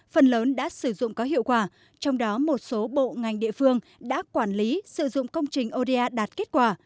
phần lớn đã sử dụng có hiệu quả trong đó một số bộ ngành địa phương đã quản lý sử dụng công trình oda đạt kết quả